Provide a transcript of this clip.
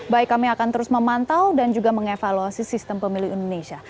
baik kami akan terus memantau dan juga mengevaluasi sistem pemilu indonesia